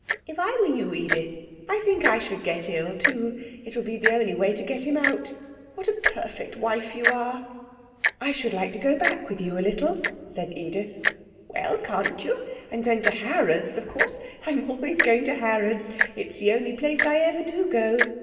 If I were you, Edith, I think I should get ill too; it will be the only way to get him out. What a perfect wife you are!' 'I should like to go back with you a little,' said Edith. 'Well, can't you? I'm going to Harrod's, of course. I'm always going to Harrod's; it's the only place I ever do go.